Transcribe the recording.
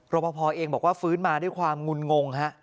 ปภเองบอกว่าฟื้นมาด้วยความงุนงงฮะ